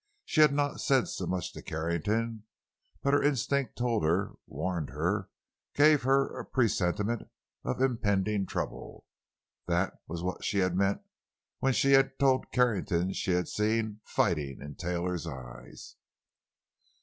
She had not said so much to Carrington, but her instinct told her, warned her, gave her a presentiment of impending trouble. That was what she had meant when she had told Carrington she had seen fighting in Taylor's eyes.